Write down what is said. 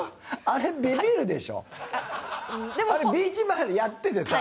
あれビーチバレーやっててさ